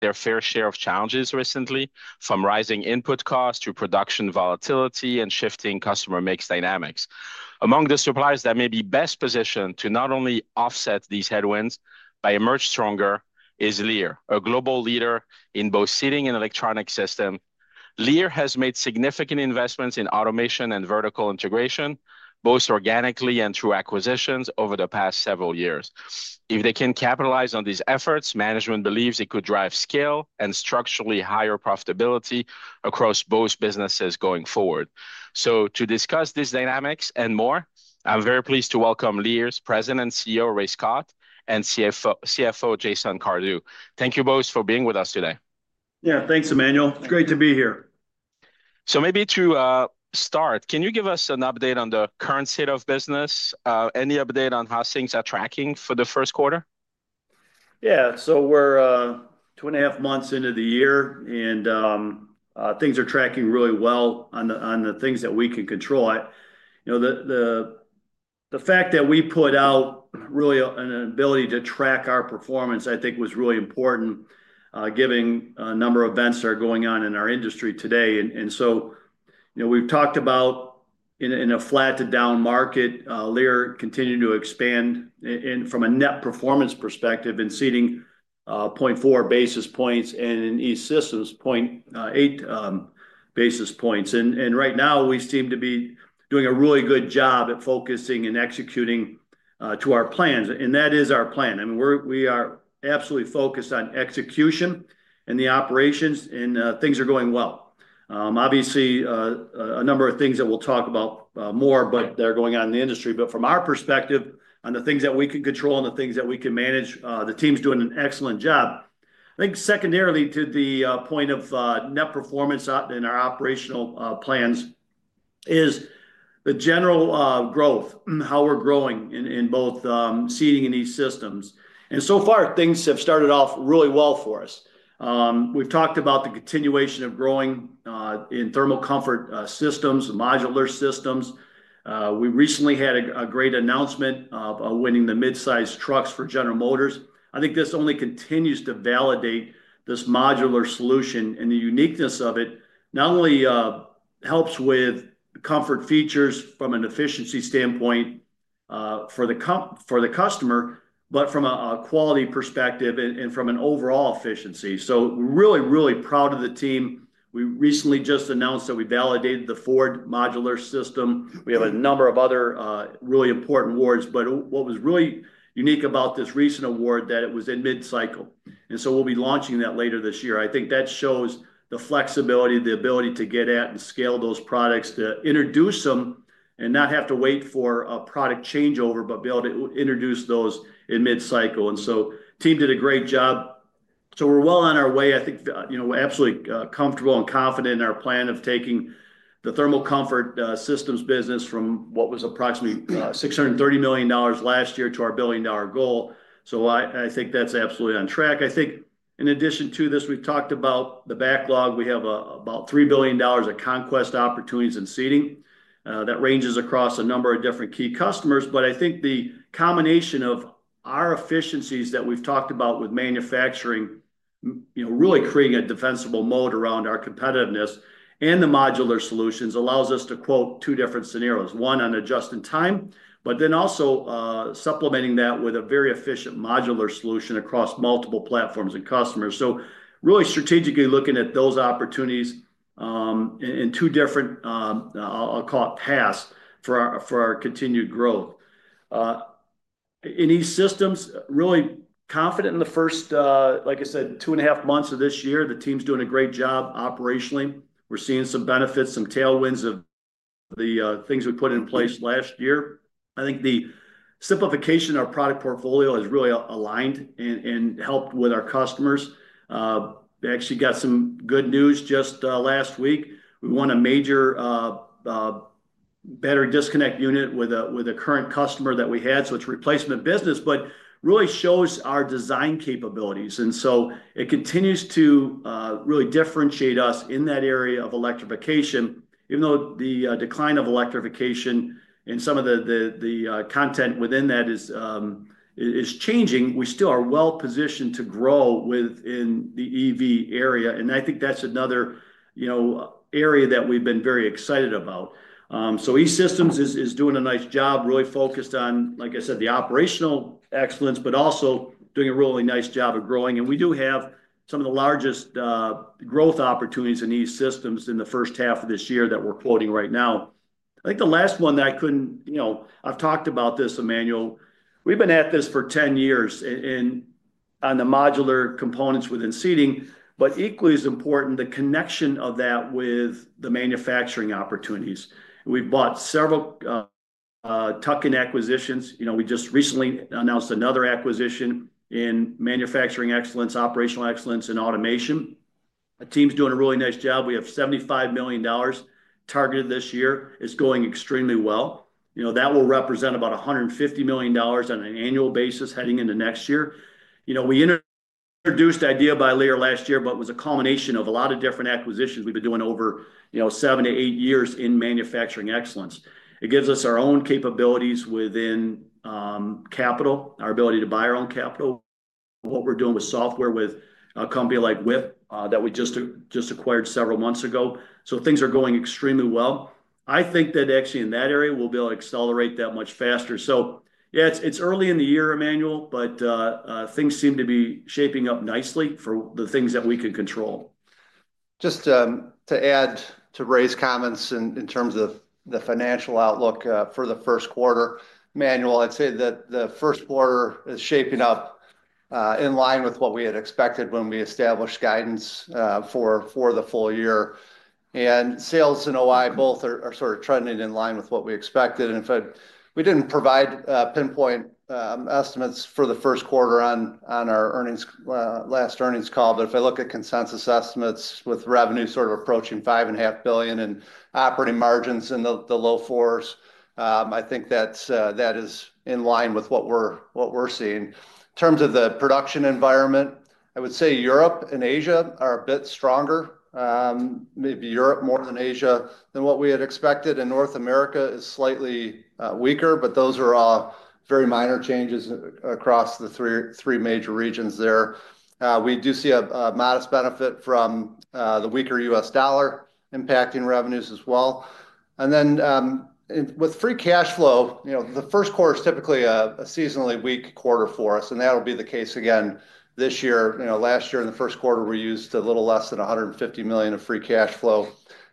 Their fair share of challenges recently, from rising input costs to production volatility and shifting customer mix dynamics. Among the suppliers that may be best positioned to not only offset these headwinds but emerge stronger is Lear, a global leader in both Seating and electronic systems. Lear has made significant investments in automation and vertical integration, both organically and through acquisitions over the past several years. If they can capitalize on these efforts, management believes it could drive scale and structurally higher profitability across both businesses going forward. To discuss these dynamics and more, I'm very pleased to welcome Lear's President and CEO, Ray Scott, and CFO, Jason Cardew. Thank you both for being with us today. Yeah, thanks, Emmanuel. It's great to be here. Maybe to start, can you give us an update on the current state of business? Any update on how things are tracking for the first quarter? Yeah, so we're two and a half months into the year, and things are tracking really well on the things that we can control. The fact that we put out really an ability to track our performance, I think, was really important, given a number of events that are going on in our industry today. We’ve talked about in a flat to down market, Lear continuing to expand from a net performance perspective and Seating 0.4 basis points and in E-Systems 0.8 basis points. Right now, we seem to be doing a really good job at focusing and executing to our plans, and that is our plan. I mean, we are absolutely focused on execution and the operations, and things are going well. Obviously, a number of things that we'll talk about more, but that are going on in the industry. From our perspective, on the things that we can control and the things that we can manage, the team's doing an excellent job. I think secondarily to the point of net performance in our operational plans is the general growth, how we're growing in both Seating and E-Systems. Things have started off really well for us. We've talked about the continuation of growing in thermal comfort systems, modular systems. We recently had a great announcement of winning the mid-size trucks for General Motors. I think this only continues to validate this modular solution and the uniqueness of it. Not only helps with comfort features from an efficiency standpoint for the customer, but from a quality perspective and from an overall efficiency. We're really, really proud of the team. We recently just announced that we validated the Ford modular system. We have a number of other really important awards, but what was really unique about this recent award is that it was in mid-cycle. We'll be launching that later this year. I think that shows the flexibility, the ability to get at and scale those products, to introduce them and not have to wait for a product changeover, but be able to introduce those in mid-cycle. The team did a great job. We're well on our way. I think we're absolutely comfortable and confident in our plan of taking the thermal comfort systems business from what was approximately $630 million last year to our billion-dollar goal. I think that's absolutely on track. In addition to this, we've talked about the backlog. We have about $3 billion of conquest opportunities in Seating that ranges across a number of different key customers. I think the combination of our efficiencies that we've talked about with manufacturing, really creating a defensible moat around our competitiveness and the modular solutions allows us to quote two different scenarios: one, on adjusting time, but then also supplementing that with a very efficient modular solution across multiple platforms and customers. Really strategically looking at those opportunities in two different, I'll call it, paths for our continued growth. In E-Systems, really confident in the first, like I said, two and a half months of this year. The team's doing a great job operationally. We're seeing some benefits, some tailwinds of the things we put in place last year. I think the simplification of our product portfolio has really aligned and helped with our customers. We actually got some good news just last week. We won a major battery disconnect unit with a current customer that we had, so it's replacement business, but really shows our design capabilities. It continues to really differentiate us in that area of electrification. Even though the decline of electrification and some of the content within that is changing, we still are well positioned to grow within the EV area. I think that's another area that we've been very excited about. E-Systems is doing a nice job, really focused on, like I said, the operational excellence, but also doing a really nice job of growing. We do have some of the largest growth opportunities in E-Systems in the first half of this year that we're quoting right now. I think the last one that I couldn't, I've talked about this, Emmanuel. We've been at this for 10 years on the modular components within Seating, but equally as important, the connection of that with the manufacturing opportunities. We've bought several tuck-in acquisitions. We just recently announced another acquisition in manufacturing excellence, operational excellence, and automation. The team's doing a really nice job. We have $75 million targeted this year. It's going extremely well. That will represent about $150 million on an annual basis heading into next year. We introduced the IDEA by Lear last year, but it was a culmination of a lot of different acquisitions we've been doing over seven to eight years in manufacturing excellence. It gives us our own capabilities within capital, our ability to buy our own capital, what we're doing with software with a company like WIP that we just acquired several months ago. Things are going extremely well. I think that actually in that area, we'll be able to accelerate that much faster. Yeah, it's early in the year, Emmanuel, but things seem to be shaping up nicely for the things that we can control. Just to add to Ray's comments in terms of the financial outlook for the first quarter, Emmanuel, I'd say that the first quarter is shaping up in line with what we had expected when we established guidance for the full year. Sales and OI both are sort of trending in line with what we expected. If we didn't provide pinpoint estimates for the first quarter on our last earnings call, but if I look at consensus estimates with revenue sort of approaching $5.5 billion and operating margins in the low fours, I think that is in line with what we're seeing. In terms of the production environment, I would say Europe and Asia are a bit stronger. Maybe Europe more than Asia than what we had expected. North America is slightly weaker, but those are all very minor changes across the three major regions there. We do see a modest benefit from the weaker US dollar impacting revenues as well. With free cash flow, the first quarter is typically a seasonally weak quarter for us, and that'll be the case again this year. Last year, in the first quarter, we used a little less than $150 million of free cash flow.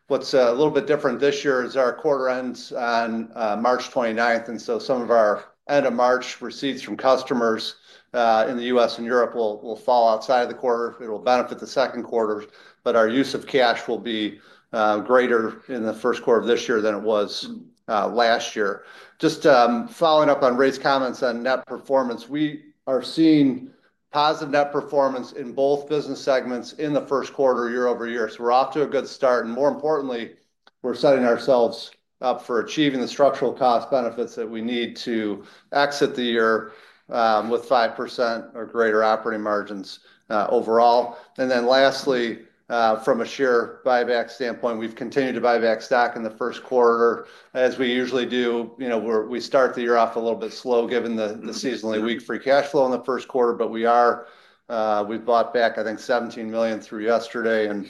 What's a little bit different this year is our quarter ends on March 29. Some of our end-of-March receipts from customers in the U.S. and Europe will fall outside of the quarter. It'll benefit the second quarter, but our use of cash will be greater in the first quarter of this year than it was last year. Just following up on Ray's comments on net performance, we are seeing positive net performance in both business segments in the first quarter year over year. We are off to a good start. More importantly, we are setting ourselves up for achieving the structural cost benefits that we need to exit the year with 5% or greater operating margins overall. Lastly, from a sheer buyback standpoint, we have continued to buy back stock in the first quarter. As we usually do, we start the year off a little bit slow given the seasonally weak free cash flow in the first quarter, but we have bought back, I think, $17 million through yesterday and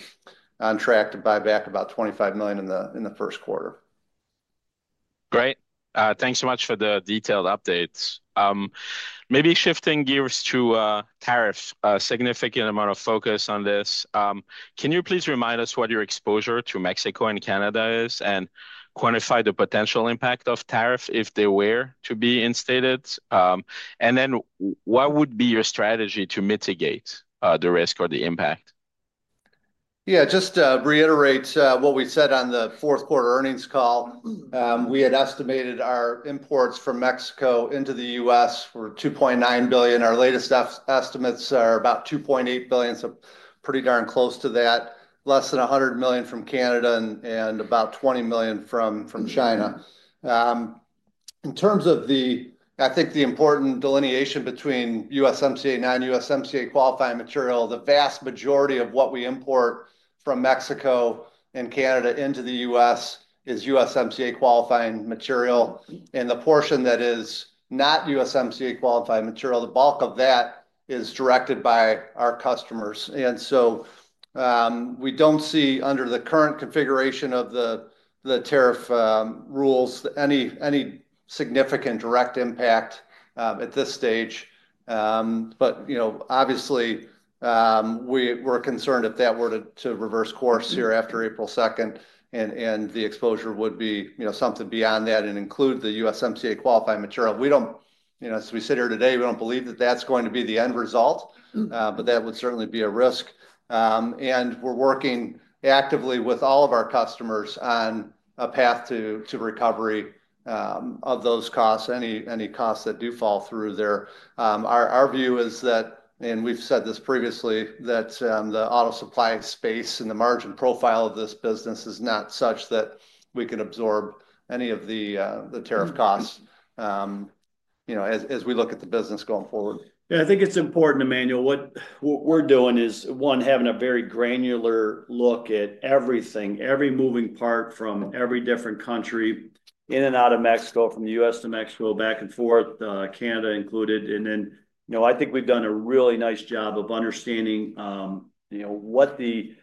are on track to buy back about $25 million in the first quarter. Great. Thanks so much for the detailed updates. Maybe shifting gears to tariffs, a significant amount of focus on this. Can you please remind us what your exposure to Mexico and Canada is and quantify the potential impact of tariffs if they were to be instated? What would be your strategy to mitigate the risk or the impact? Yeah, just to reiterate what we said on the fourth quarter earnings call, we had estimated our imports from Mexico into the U.S. were $2.9 billion. Our latest estimates are about $2.8 billion, so pretty darn close to that, less than $100 million from Canada and about $20 million from China. In terms of the, I think, the important delineation between USMCA non-USMCA qualifying material, the vast majority of what we import from Mexico and Canada into the U.S. is USMCA qualifying material. The portion that is not USMCA qualified material, the bulk of that is directed by our customers. We do not see under the current configuration of the tariff rules any significant direct impact at this stage. Obviously, we are concerned if that were to reverse course here after April 2nd and the exposure would be something beyond that and include the USMCA qualified material. As we sit here today, we do not believe that that is going to be the end result, but that would certainly be a risk. We are working actively with all of our customers on a path to recovery of those costs, any costs that do fall through there. Our view is that, and we have said this previously, that the auto supply space and the margin profile of this business is not such that we can absorb any of the tariff costs as we look at the business going forward. Yeah, I think it's important, Emmanuel. What we're doing is, one, having a very granular look at everything, every moving part from every different country in and out of Mexico, from the U.S. to Mexico, back and forth, Canada included. I think we've done a really nice job of understanding what the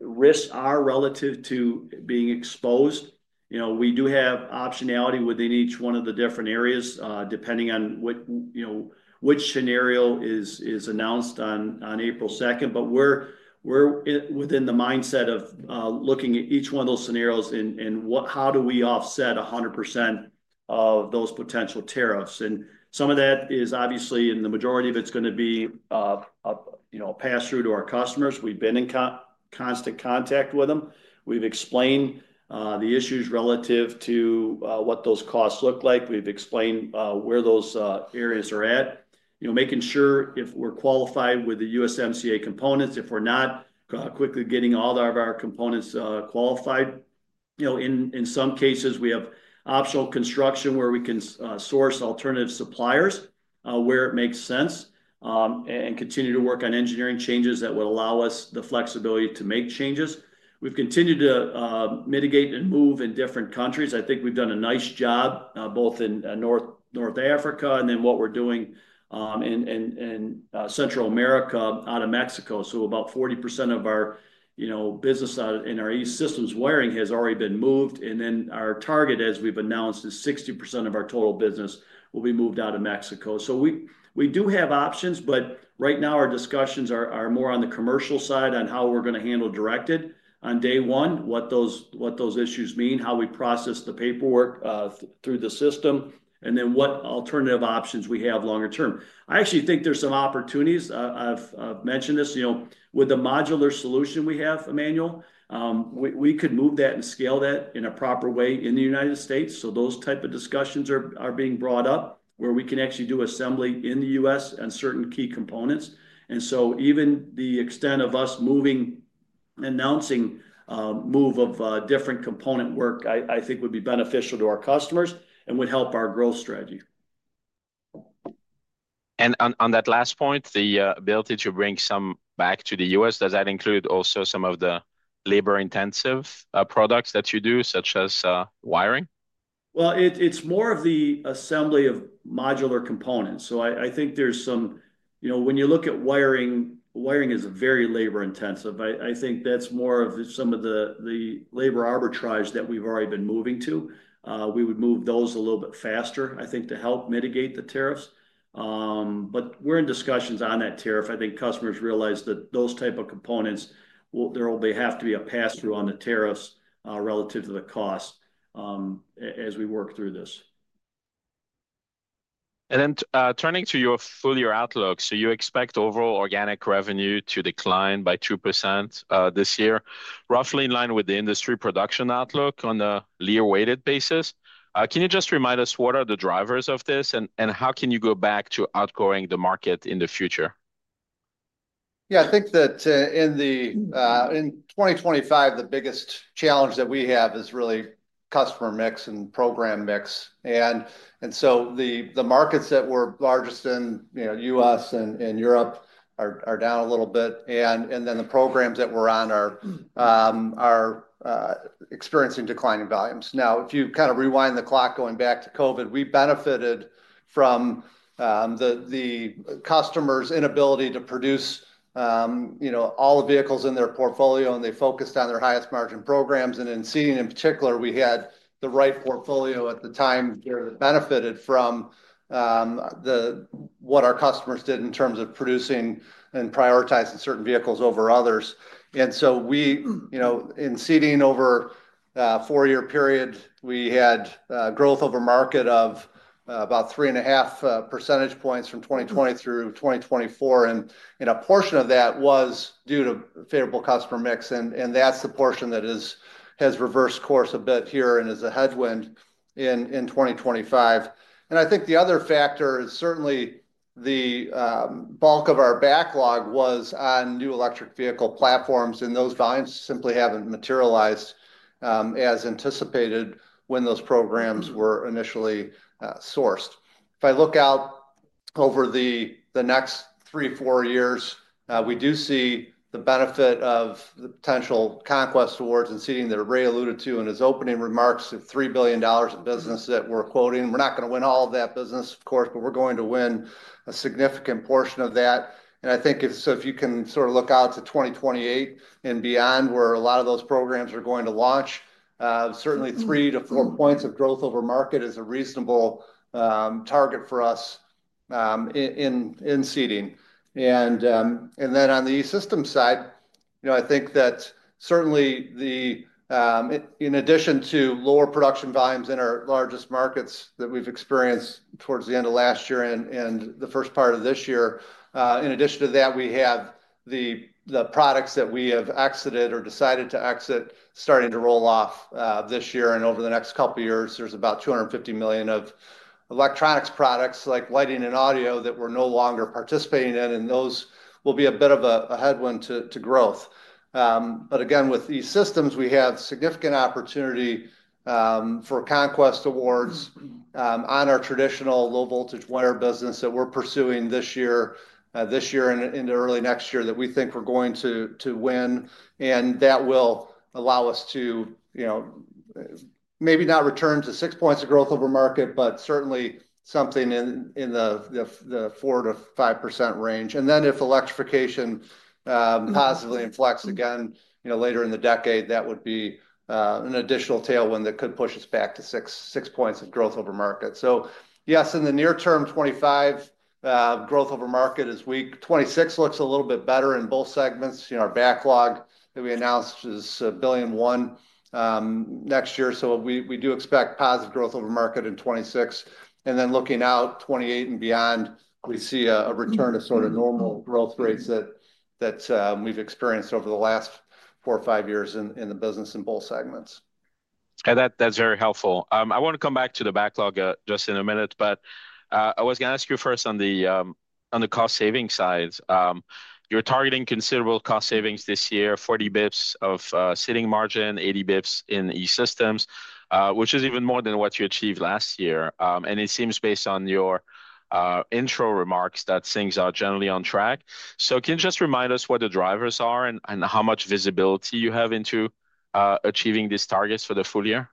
risks are relative to being exposed. We do have optionality within each one of the different areas depending on which scenario is announced on April 2nd. We're within the mindset of looking at each one of those scenarios and how do we offset 100% of those potential tariffs. Some of that is obviously, and the majority of it's going to be passed through to our customers. We've been in constant contact with them. We've explained the issues relative to what those costs look like. We've explained where those areas are at, making sure if we're qualified with the USMCA components, if we're not quickly getting all of our components qualified. In some cases, we have optional construction where we can source alternative suppliers where it makes sense and continue to work on engineering changes that would allow us the flexibility to make changes. We've continued to mitigate and move in different countries. I think we've done a nice job both in North Africa and then what we're doing in Central America out of Mexico. About 40% of our business in our E-Systems wiring has already been moved. Our target, as we've announced, is 60% of our total business will be moved out of Mexico. We do have options, but right now our discussions are more on the commercial side on how we're going to handle directed on day one, what those issues mean, how we process the paperwork through the system, and then what alternative options we have longer term. I actually think there's some opportunities. I've mentioned this. With the modular solution we have, Emmanuel, we could move that and scale that in a proper way in the United States. Those types of discussions are being brought up where we can actually do assembly in the US on certain key components. Even the extent of us moving and announcing a move of different component work, I think would be beneficial to our customers and would help our growth strategy. On that last point, the ability to bring some back to the U.S., does that include also some of the labor-intensive products that you do, such as wiring? It is more of the assembly of modular components. I think there is some, when you look at wiring, wiring is very labor-intensive. I think that is more of some of the labor arbitrage that we have already been moving to. We would move those a little bit faster, I think, to help mitigate the tariffs. We are in discussions on that tariff. I think customers realize that those types of components, there will have to be a pass-through on the tariffs relative to the cost as we work through this. Turning to your full year outlook, you expect overall organic revenue to decline by 2% this year, roughly in line with the industry production outlook on a Lear-weighted basis. Can you just remind us what are the drivers of this and how can you go back to outgrowing the market in the future? Yeah, I think that in 2025, the biggest challenge that we have is really customer mix and program mix. The markets that were largest in the U.S. and Europe are down a little bit. The programs that we're on are experiencing declining volumes. If you kind of rewind the clock going back to COVID, we benefited from the customers' inability to produce all the vehicles in their portfolio, and they focused on their highest margin programs. In seating in particular, we had the right portfolio at the time that benefited from what our customers did in terms of producing and prioritizing certain vehicles over others. In Seating over a four-year period, we had growth over market of about 3.5 percentage points from 2020 through 2024. A portion of that was due to favorable customer mix. That's the portion that has reversed course a bit here and is a headwind in 2025. I think the other factor is certainly the bulk of our backlog was on new electric vehicle platforms, and those volumes simply haven't materialized as anticipated when those programs were initially sourced. If I look out over the next three, four years, we do see the benefit of the potential conquest awards and Seating that Ray alluded to in his opening remarks of $3 billion of business that we're quoting. We're not going to win all of that business, of course, but we're going to win a significant portion of that. I think if you can sort of look out to 2028 and beyond, where a lot of those programs are going to launch, certainly three to four points of growth over market is a reasonable target for us in Seating. On the E-Systems side, I think that certainly in addition to lower production volumes in our largest markets that we've experienced towards the end of last year and the first part of this year, in addition to that, we have the products that we have exited or decided to exit starting to roll off this year. Over the next couple of years, there is about $250 million of electronics products like lighting and audio that we're no longer participating in. Those will be a bit of a headwind to growth. Again, with E-Systems, we have significant opportunity for conquest awards on our traditional low-voltage wire business that we're pursuing this year and into early next year that we think we're going to win. That will allow us to maybe not return to six points of growth over market, but certainly something in the 4-5% range. If electrification positively inflects again later in the decade, that would be an additional tailwind that could push us back to six points of growth over market. Yes, in the near term, 2025 growth over market is weak. 2026 looks a little bit better in both segments. Our backlog that we announced is $1.1 billion next year. We do expect positive growth over market in 2026. Looking out to 2028 and beyond, we see a return to sort of normal growth rates that we have experienced over the last four or five years in the business in both segments. Yeah, that's very helpful. I want to come back to the backlog just in a minute, but I was going to ask you first on the cost savings side. You're targeting considerable cost savings this year, 40 basis points of Seating margin, 80 basis points in E-Systems, which is even more than what you achieved last year. It seems based on your intro remarks that things are generally on track. Can you just remind us what the drivers are and how much visibility you have into achieving these targets for the full year?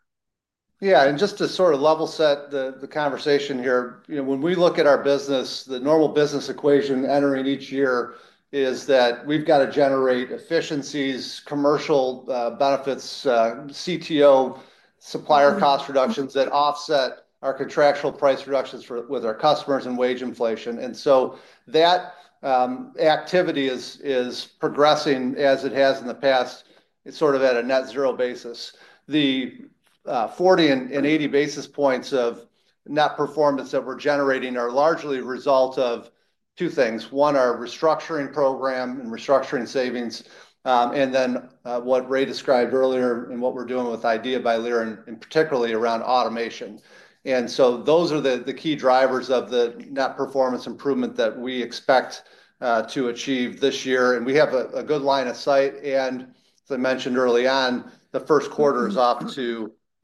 Yeah, and just to sort of level set the conversation here, when we look at our business, the normal business equation entering each year is that we've got to generate efficiencies, commercial benefits, CTO supplier cost reductions that offset our contractual price reductions with our customers and wage inflation. That activity is progressing as it has in the past, sort of at a net zero basis. The 40 and 80 basis points of net performance that we're generating are largely a result of two things. One, our restructuring program and restructuring savings, and then what Ray described earlier and what we're doing with IDEA by Lear and particularly around automation. Those are the key drivers of the net performance improvement that we expect to achieve this year. We have a good line of sight. As I mentioned early on, the first quarter is off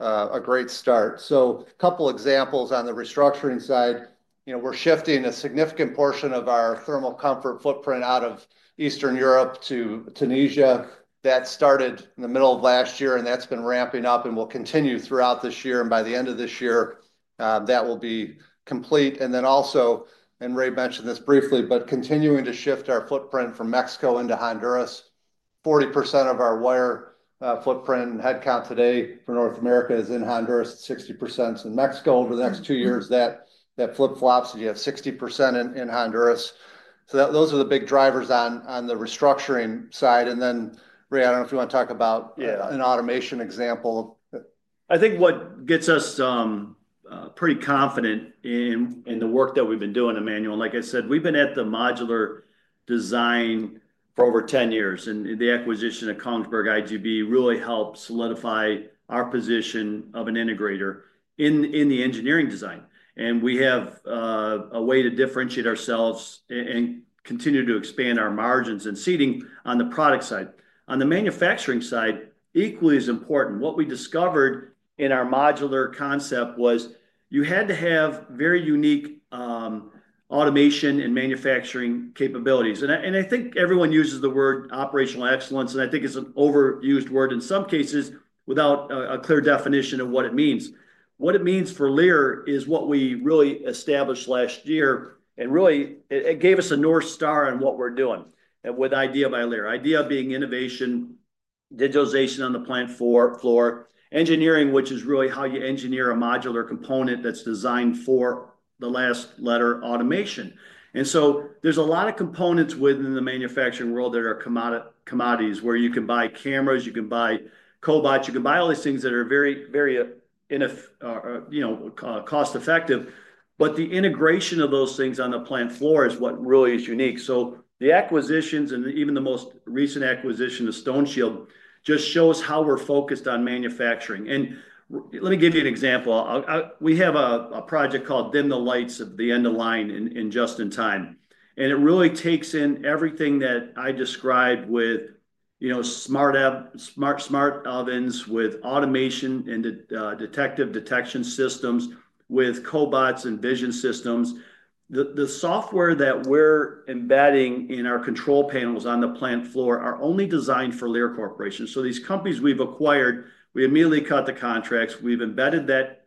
to a great start. A couple of examples on the restructuring side: we're shifting a significant portion of our thermal comfort footprint out of Eastern Europe to Tunisia. That started in the middle of last year, and that's been ramping up and will continue throughout this year. By the end of this year, that will be complete. Also, Ray mentioned this briefly, but we are continuing to shift our footprint from Mexico into Honduras. 40% of our wire footprint headcount today for North America is in Honduras, 60% in Mexico. Over the next two years, that flip-flops and you have 60% in Honduras. Those are the big drivers on the restructuring side. Ray, I don't know if you want to talk about an automation example. I think what gets us pretty confident in the work that we've been doing, Emmanuel, and like I said, we've been at the modular design for over 10 years. The acquisition of Kongsberg, IGB really helped solidify our position of an integrator in the engineering design. We have a way to differentiate ourselves and continue to expand our margins and Seating on the product side. On the manufacturing side, equally as important, what we discovered in our modular concept was you had to have very unique automation and manufacturing capabilities. I think everyone uses the word operational excellence, and I think it's an overused word in some cases without a clear definition of what it means. What it means for Lear is what we really established last year. It really gave us a North Star on what we're doing with IDEA by Lear, IDEA being innovation, digitalization on the plant floor, engineering, which is really how you engineer a modular component that's designed for the last letter automation. There are a lot of components within the manufacturing world that are commodities where you can buy cameras, you can buy cobots, you can buy all these things that are very, very cost-effective. The integration of those things on the plant floor is what really is unique. The acquisitions and even the most recent acquisition of StoneShield just shows how we're focused on manufacturing. Let me give you an example. We have a project called Thin the Lights of the End of Line in Just-in-Time. It really takes in everything that I described with smart ovens with automation and detective detection systems with cobots and vision systems. The software that we're embedding in our control panels on the plant floor are only designed for Lear Corporation. These companies we've acquired, we immediately cut the contracts. We've embedded that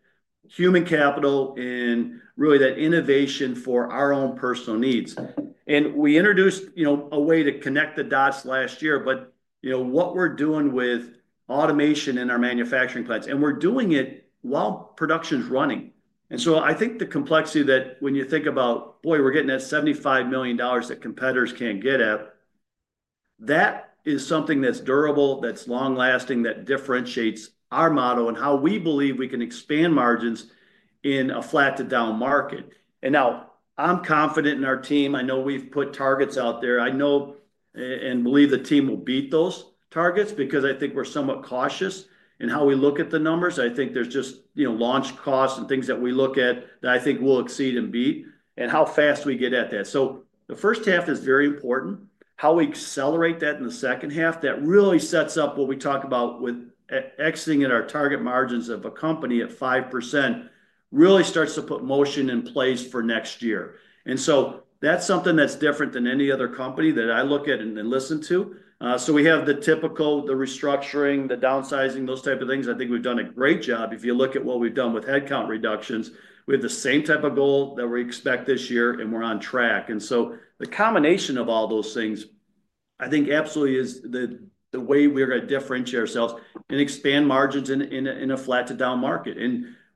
human capital and really that innovation for our own personal needs. We introduced a way to connect the dots last year, but what we're doing with automation in our manufacturing plants, we're doing it while production's running. I think the complexity that when you think about, boy, we're getting at $75 million that competitors can't get at, that is something that's durable, that's long-lasting, that differentiates our model and how we believe we can expand margins in a flat-to-down market. Now I'm confident in our team. I know we've put targets out there. I know and believe the team will beat those targets because I think we're somewhat cautious in how we look at the numbers. I think there's just launch costs and things that we look at that I think we'll exceed and beat and how fast we get at that. The first half is very important. How we accelerate that in the second half, that really sets up what we talk about with exiting at our target margins of a company at 5% really starts to put motion in place for next year. That is something that's different than any other company that I look at and then listen to. We have the typical, the restructuring, the downsizing, those types of things. I think we've done a great job. If you look at what we've done with headcount reductions, we have the same type of goal that we expect this year, and we're on track. The combination of all those things, I think absolutely is the way we're going to differentiate ourselves and expand margins in a flat-to-down market.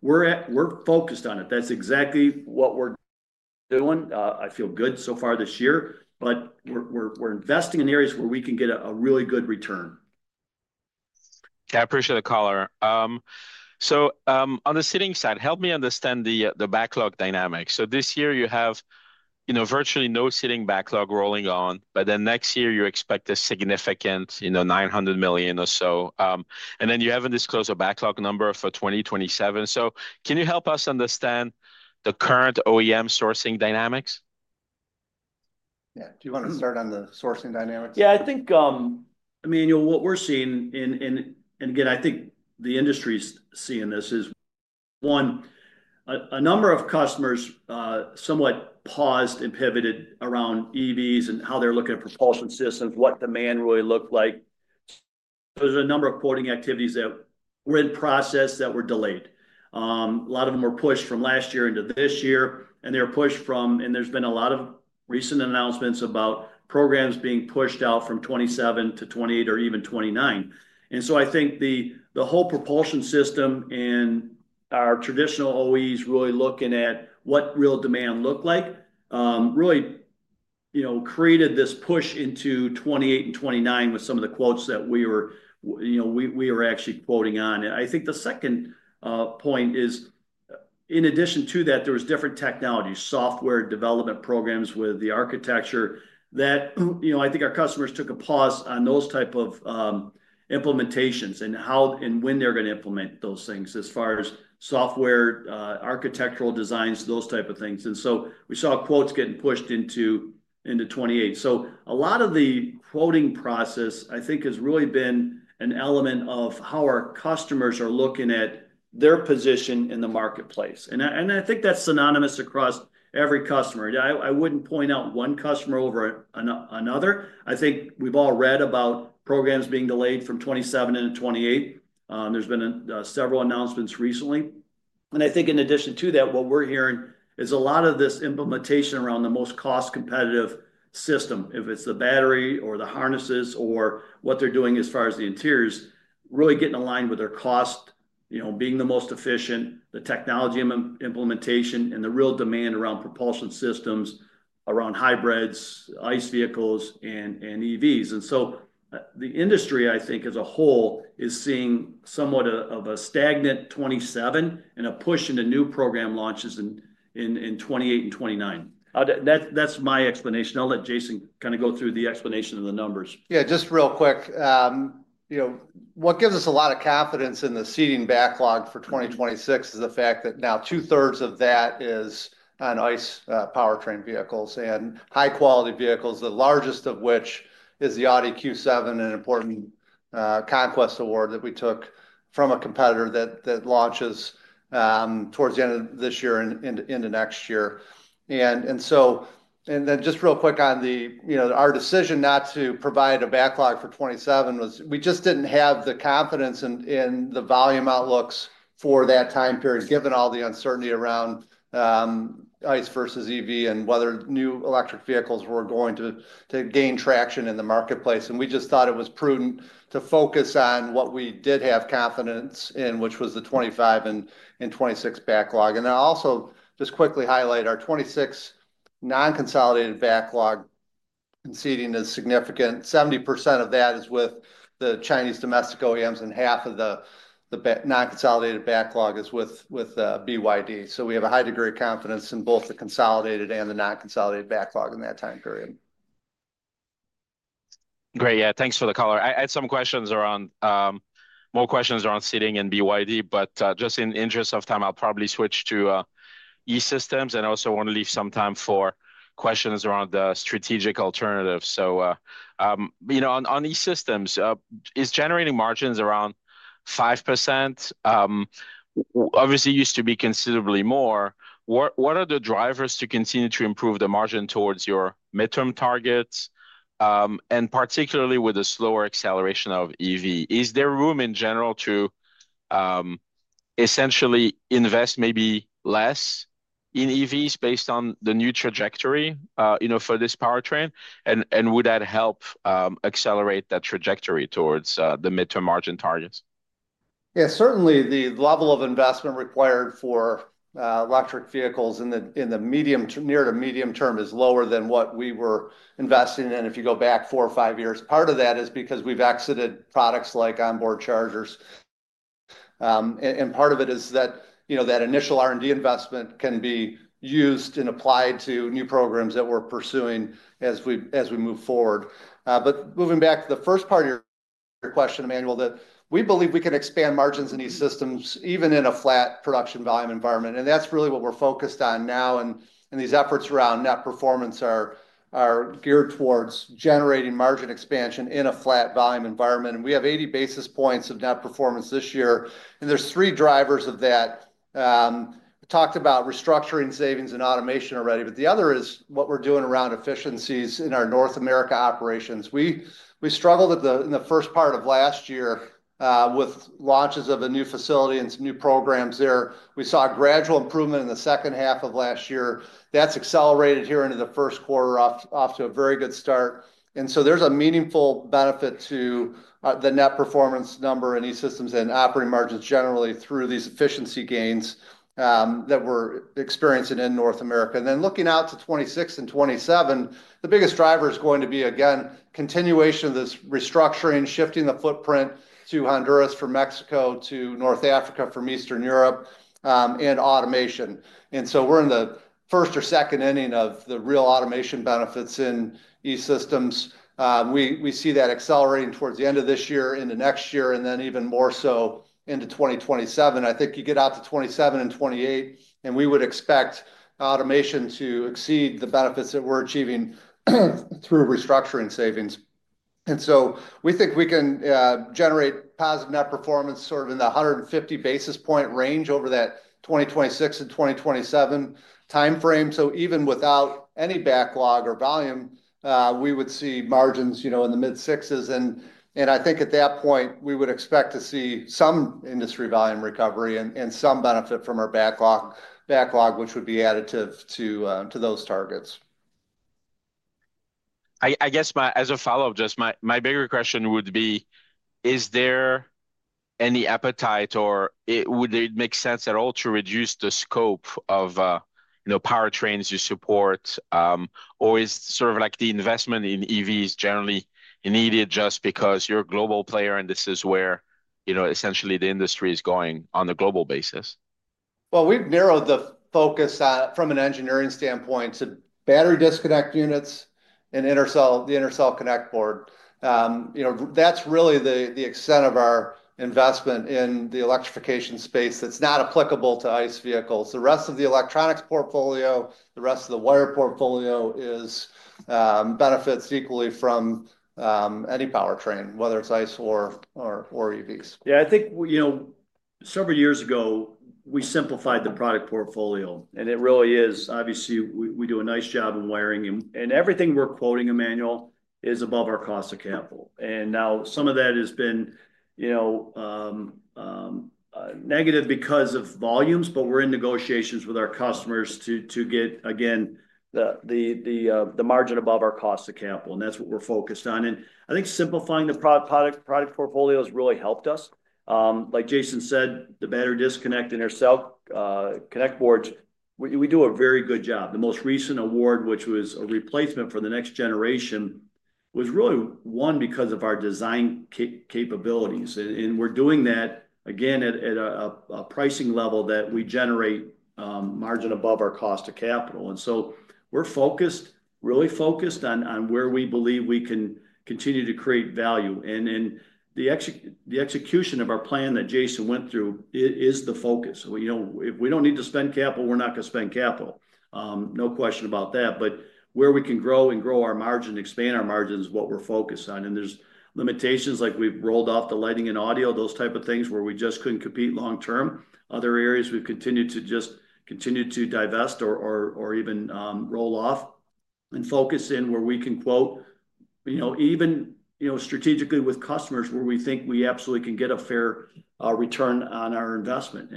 We're focused on it. That's exactly what we're doing. I feel good so far this year, but we're investing in areas where we can get a really good return. Yeah, I appreciate the caller. On the Seating side, help me understand the backlog dynamic. This year you have virtually no Seating backlog rolling on, but next year you expect a significant $900 million or so. You have not disclosed a backlog number for 2027. Can you help us understand the current OEM sourcing dynamics? Yeah, do you want to start on the sourcing dynamics? Yeah, I think, Emmanuel, what we're seeing, and again, I think the industry's seeing this is one, a number of customers somewhat paused and pivoted around EVs and how they're looking at propulsion systems, what demand really looked like. There's a number of quoting activities that were in process that were delayed. A lot of them were pushed from last year into this year, and they were pushed from, and there's been a lot of recent announcements about programs being pushed out from 2027 to 2028 or even 2029. I think the whole propulsion system and our traditional OEs really looking at what real demand looked like really created this push into 2028 and 2029 with some of the quotes that we were actually quoting on. I think the second point is, in addition to that, there was different technology, software development programs with the architecture that I think our customers took a pause on those types of implementations and how and when they're going to implement those things as far as software, architectural designs, those types of things. We saw quotes getting pushed into 2028. A lot of the quoting process, I think, has really been an element of how our customers are looking at their position in the marketplace. I think that's synonymous across every customer. I wouldn't point out one customer over another. I think we've all read about programs being delayed from 2027 into 2028. There have been several announcements recently. I think in addition to that, what we're hearing is a lot of this implementation around the most cost-competitive system, if it's the battery or the harnesses or what they're doing as far as the interiors, really getting aligned with their cost, being the most efficient, the technology implementation, and the real demand around propulsion systems, around hybrids, ICE vehicles, and EVs. The industry, I think, as a whole is seeing somewhat of a stagnant 2027 and a push into new program launches in 2028 and 2029. That's my explanation. I'll let Jason kind of go through the explanation of the numbers. Yeah, just real quick. What gives us a lot of confidence in the Seating backlog for 2026 is the fact that now two-thirds of that is on ICE powertrain vehicles and high-quality vehicles, the largest of which is the Audi Q7, an important Conquest Award that we took from a competitor that launches towards the end of this year into next year. Just real quick on our decision not to provide a backlog for 2027, we just did not have the confidence in the volume outlooks for that time period, given all the uncertainty around ICE versus EV and whether new electric vehicles were going to gain traction in the marketplace. We just thought it was prudent to focus on what we did have confidence in, which was the 2025 and 2026 backlog. I will also just quickly highlight our 2026 non-consolidated backlog in Seating is significant. 70% of that is with the Chinese domestic OEMs and half of the non-consolidated backlog is with BYD. We have a high degree of confidence in both the consolidated and the non-consolidated backlog in that time period. Great. Yeah, thanks for the caller. I had some questions around more questions around Seating and BYD, but just in the interest of time, I'll probably switch to E-Systems and also want to leave some time for questions around the strategic alternatives. On E-Systems, is generating margins around 5%? Obviously, it used to be considerably more. What are the drivers to continue to improve the margin towards your midterm targets? Particularly with the slower acceleration of EV, is there room in general to essentially invest maybe less in EVs based on the new trajectory for this powertrain? Would that help accelerate that trajectory towards the midterm margin targets? Yeah, certainly the level of investment required for electric vehicles in the near to medium term is lower than what we were investing in if you go back four or five years. Part of that is because we've exited products like onboard chargers. Part of it is that initial R&D investment can be used and applied to new programs that we're pursuing as we move forward. Moving back to the first part of your question, Emmanuel, we believe we can expand margins in these systems even in a flat production volume environment. That is really what we're focused on now. These efforts around net performance are geared towards generating margin expansion in a flat volume environment. We have 80 basis points of net performance this year. There are three drivers of that. We talked about restructuring savings and automation already, but the other is what we're doing around efficiencies in our North America operations. We struggled in the first part of last year with launches of a new facility and some new programs there. We saw a gradual improvement in the second half of last year. That has accelerated here into the first quarter, off to a very good start. There is a meaningful benefit to the net performance number in E-Systems and operating margins generally through these efficiency gains that we're experiencing in North America. Looking out to 2026 and 2027, the biggest driver is going to be, again, continuation of this restructuring, shifting the footprint to Honduras from Mexico, to North Africa from Eastern Europe, and automation. We are in the first or second inning of the real automation benefits in E-Systems. We see that accelerating towards the end of this year, into next year, and then even more so into 2027. I think you get out to 2027 and 2028, and we would expect automation to exceed the benefits that we're achieving through restructuring savings. We think we can generate positive net performance sort of in the 150 basis point range over that 2026 and 2027 timeframe. Even without any backlog or volume, we would see margins in the mid-sixes. I think at that point, we would expect to see some industry volume recovery and some benefit from our backlog, which would be additive to those targets. I guess as a follow-up, just my bigger question would be, is there any appetite or would it make sense at all to reduce the scope of powertrains you support? Or is sort of like the investment in EVs generally needed just because you're a global player and this is where essentially the industry is going on a global basis? We have narrowed the focus from an engineering standpoint to battery disconnect units and the intercell connect board. That is really the extent of our investment in the electrification space that is not applicable to ICE vehicles. The rest of the electronics portfolio, the rest of the wire portfolio benefits equally from any powertrain, whether it is ICE or EVs. Yeah, I think several years ago, we simplified the product portfolio, and it really is. Obviously, we do a nice job in wiring. Everything we're quoting, Emmanuel, is above our cost of capital. Now some of that has been negative because of volumes, but we're in negotiations with our customers to get, again, the margin above our cost of capital. That's what we're focused on. I think simplifying the product portfolio has really helped us. Like Jason said, the battery disconnect and intercell connect boards, we do a very good job. The most recent award, which was a replacement for the next generation, was really won because of our design capabilities. We're doing that, again, at a pricing level that we generate margin above our cost of capital. We're focused, really focused on where we believe we can continue to create value. The execution of our plan that Jason went through is the focus. If we do not need to spend capital, we are not going to spend capital. No question about that. Where we can grow and grow our margin, expand our margin is what we are focused on. There are limitations like we have rolled off the lighting and audio, those types of things where we just could not compete long term. Other areas we have continued to just continue to divest or even roll off and focus in where we can quote even strategically with customers where we think we absolutely can get a fair return on our investment.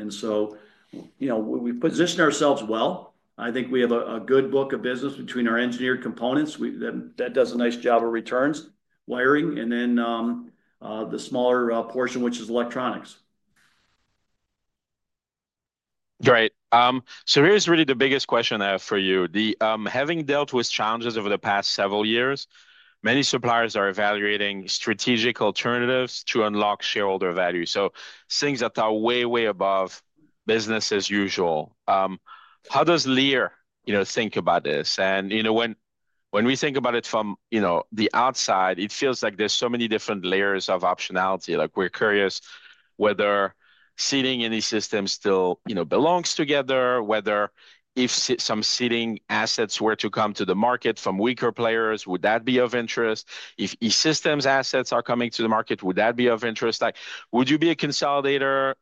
We position ourselves well. I think we have a good book of business between our engineered components that does a nice job of returns, wiring, and then the smaller portion, which is electronics. Great. Here is really the biggest question I have for you. Having dealt with challenges over the past several years, many suppliers are evaluating strategic alternatives to unlock shareholder value. Things that are way, way above business as usual. How does Lear think about this? When we think about it from the outside, it feels like there are so many different layers of optionality. We are curious whether Seating and E-Systems still belong together, whether if some Seating assets were to come to the market from weaker players, would that be of interest? If E-Systems assets are coming to the market, would that be of interest? Would you be a consolidator?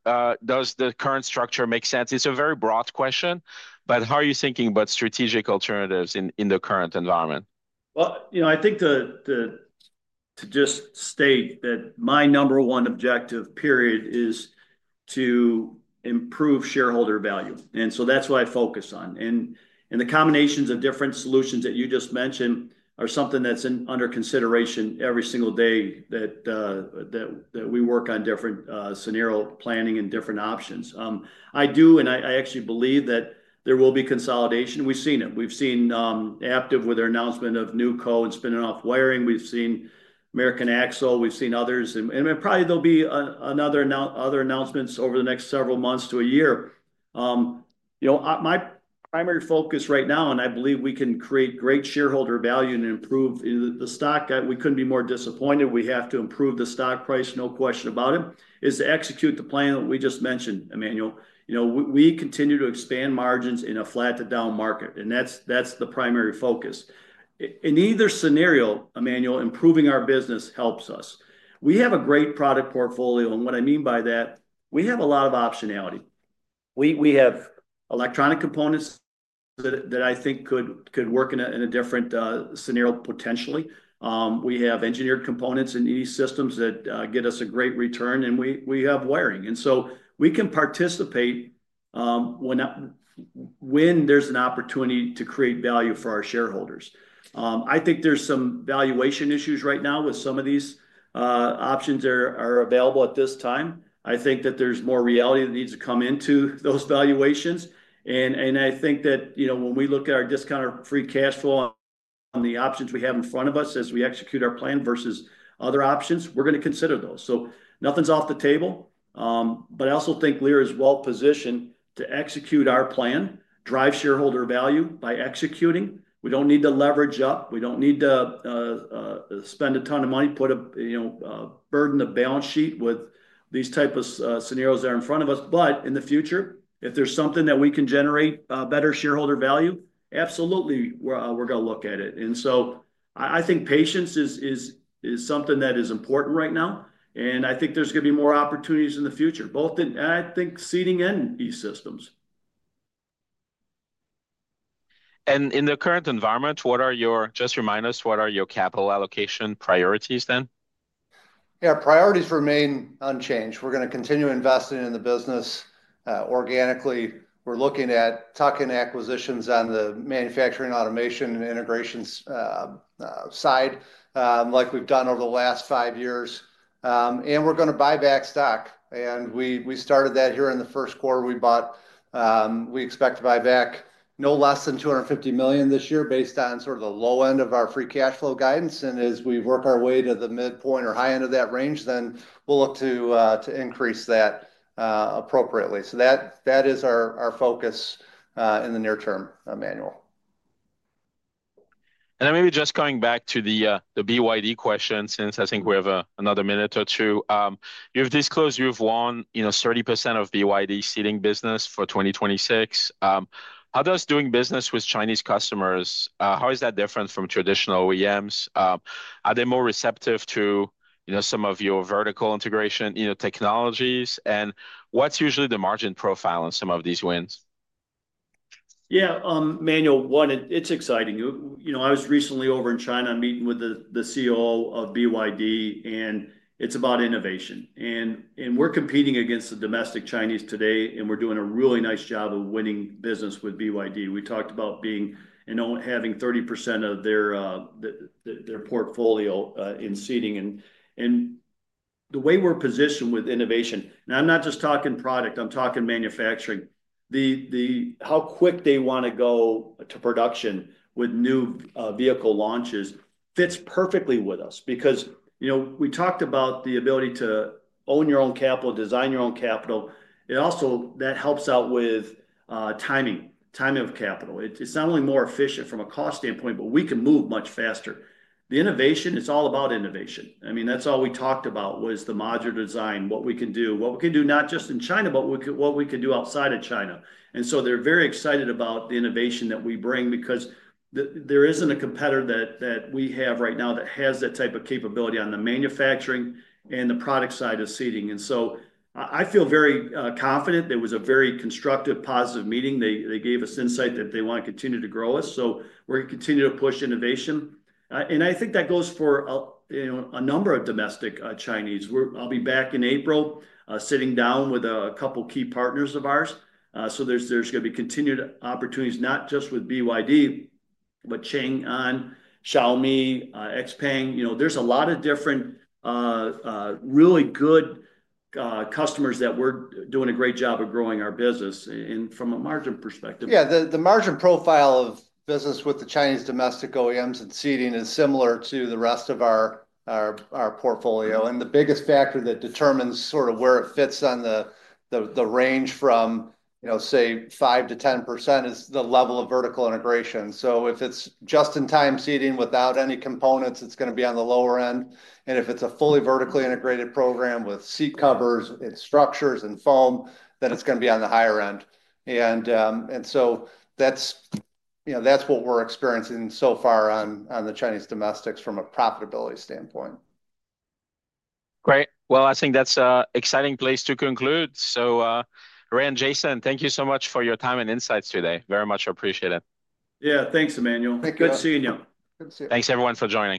Does the current structure make sense? It is a very broad question, but how are you thinking about strategic alternatives in the current environment? I think to just state that my number one objective period is to improve shareholder value. That is what I focus on. The combinations of different solutions that you just mentioned are something that is under consideration every single day as we work on different scenario planning and different options. I do, and I actually believe that there will be consolidation. We have seen it. We have seen Aptiv with their announcement of NewCo and spinning off wiring. We have seen American Axle. We have seen others. Probably there will be other announcements over the next several months to a year. My primary focus right now, and I believe we can create great shareholder value and improve the stock, we could not be more disappointed. We have to improve the stock price, no question about it. That is to execute the plan that we just mentioned, Emmanuel. We continue to expand margins in a flat to down market, and that's the primary focus. In either scenario, Emmanuel, improving our business helps us. We have a great product portfolio, and what I mean by that, we have a lot of optionality. We have electronic components that I think could work in a different scenario potentially. We have engineered components in E-Systems that give us a great return, and we have wiring. We can participate when there's an opportunity to create value for our shareholders. I think there's some valuation issues right now with some of these options that are available at this time. I think that there's more reality that needs to come into those valuations. I think that when we look at our discount or free cash flow on the options we have in front of us as we execute our plan versus other options, we're going to consider those. Nothing's off the table. I also think Lear is well positioned to execute our plan, drive shareholder value by executing. We don't need to leverage up. We don't need to spend a ton of money, put a burden of balance sheet with these types of scenarios that are in front of us. In the future, if there's something that we can generate better shareholder value, absolutely, we're going to look at it. I think patience is something that is important right now. I think there's going to be more opportunities in the future, both in, I think, Seating and E-Systems. In the current environment, what are your, just remind us, what are your capital allocation priorities then? Yeah, priorities remain unchanged. We're going to continue investing in the business organically. We're looking at tuck-in acquisitions on the manufacturing automation and integration side like we've done over the last five years. We're going to buy back stock. We started that here in the first quarter. We expect to buy back no less than $250 million this year based on sort of the low end of our free cash flow guidance. As we work our way to the midpoint or high end of that range, we'll look to increase that appropriately. That is our focus in the near term, Emmanuel. Maybe just going back to the BYD question since I think we have another minute or two. You've disclosed you've won 30% of BYD Seating business for 2026. How does doing business with Chinese customers, how is that different from traditional OEMs? Are they more receptive to some of your vertical integration technologies? And what's usually the margin profile on some of these wins? Yeah, Emmanuel, one, it's exciting. I was recently over in China and meeting with the CEO of BYD, and it's about innovation. We're competing against the domestic Chinese today, and we're doing a really nice job of winning business with BYD. We talked about having 30% of their portfolio in Seating. The way we're positioned with innovation, and I'm not just talking product, I'm talking manufacturing, how quick they want to go to production with new vehicle launches fits perfectly with us because we talked about the ability to own your own capital, design your own capital. That also helps out with timing, time of capital. It's not only more efficient from a cost standpoint, but we can move much faster. The innovation, it's all about innovation. I mean, that's all we talked about was the modular design, what we can do, what we can do not just in China, but what we can do outside of China. They are very excited about the innovation that we bring because there isn't a competitor that we have right now that has that type of capability on the manufacturing and the product side of Seating. I feel very confident. There was a very constructive, positive meeting. They gave us insight that they want to continue to grow us. We are going to continue to push innovation. I think that goes for a number of domestic Chinese. I'll be back in April sitting down with a couple of key partners of ours. There are going to be continued opportunities, not just with BYD, but Changan, Xiaomi, Xpeng. There's a lot of different really good customers that we're doing a great job of growing our business from a margin perspective. Yeah, the margin profile of business with the Chinese domestic OEMs and Seating is similar to the rest of our portfolio. The biggest factor that determines sort of where it fits on the range from, say, 5-10% is the level of vertical integration. If it's just-in-time Seating without any components, it's going to be on the lower end. If it's a fully vertically integrated program with seat covers and structures and foam, then it's going to be on the higher end. That's what we're experiencing so far on the Chinese domestics from a profitability standpoint. Great. I think that's an exciting place to conclude. Ray and Jason, thank you so much for your time and insights today. Very much appreciated. Yeah, thanks, Emmanuel. Thank you. Good seeing you. Thanks, everyone, for joining.